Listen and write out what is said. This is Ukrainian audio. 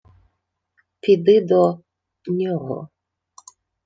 — Піди до... нього.